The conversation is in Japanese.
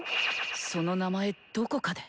その名前どこかで。